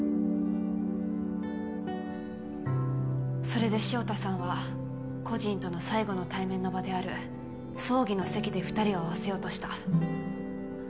それで潮田さんは故人との最後の対面の場である葬儀の席で２人を会わせようとした。